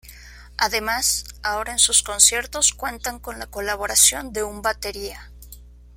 Además, ahora en sus conciertos cuentan con la colaboración de un batería.